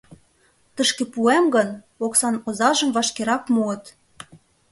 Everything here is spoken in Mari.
Тышке пуэм гын, оксан озажым вашкерак муыт.